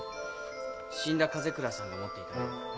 死んだ風倉さんが持っていたメモだ。